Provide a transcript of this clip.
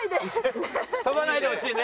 跳ばないでほしいね。